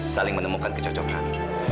saling menemukan kecocokan